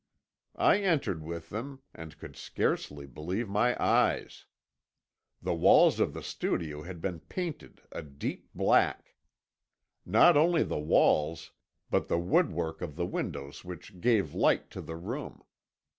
"I entered with them, and could scarcely believe my eyes. The walls of the studio had been painted a deep black. Not only the walls, but the woodwork of the windows which gave light to the room.